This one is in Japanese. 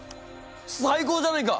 最高じゃないか！